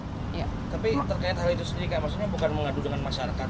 tapi terkait hal itu sendiri maksudnya bukan mengadu dengan masyarakat